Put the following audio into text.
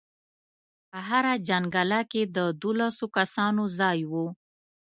هره جنګله کې د دولسو کسانو ځای و.